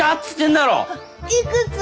いくつ？